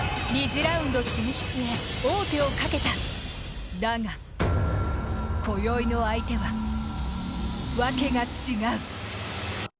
２次ラウンド進出へ王手をかけただが、今宵の相手は、訳が違う。